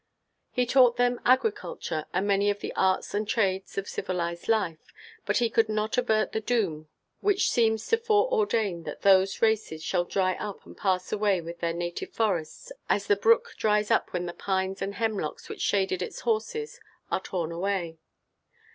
He taught them agriculture, and many of the arts and trades of civilized life. But he could not avert the doom which seems to foreordain that those races shall dry up and pass away with their native forests, as the brook dries up when the pines and hemlocks which shaded its source are torn away.